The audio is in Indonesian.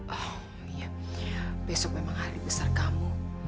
oh iya besok memang hari besar kamu